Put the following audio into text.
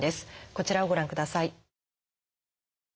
こちらをご覧ください。